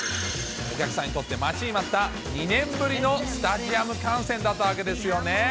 お客さんにとって待ちに待った２年ぶりのスタジアム観戦だったわけですよね。